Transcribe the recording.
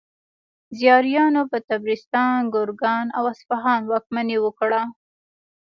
زیاریانو پر طبرستان، ګرګان او اصفهان واکمني وکړه.